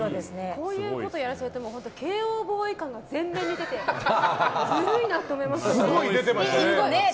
こういうことやらされても慶應ボーイ感が前面に出てずるいなと思いますね。